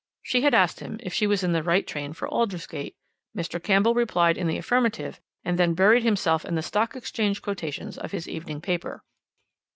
She had asked him if she was in the right train for Aldersgate. Mr. Campbell replied in the affirmative, and then buried himself in the Stock Exchange quotations of his evening paper.